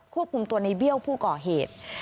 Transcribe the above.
ควบคุมตัวในเบี้ยวผู้ก่อเหตุ